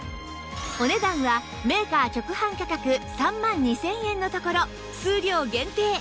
お値段はメーカー直販価格３万２０００円のところ数量限定